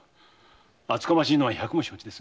厚かましいのは百も承知です。